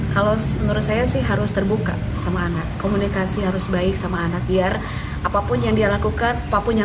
kasus asusila ini baru mencari penyelesaian